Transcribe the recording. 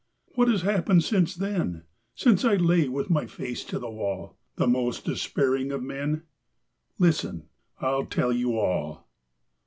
... What has happened since then, Since I lay with my face to the wall, The most despairing of men? Listen! I'll tell you all.